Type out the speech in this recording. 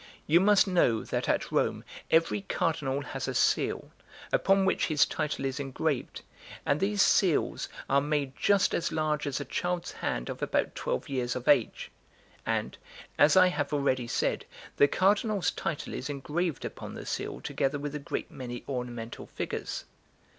You must know that at Rome every cardinal has a seal, upon which his title is engraved, and these seals are made just as large as a child's hand of about twelve years of age; and, as I have already said, the cardinal's title is engraved upon the seal together with a great many ornamental figures.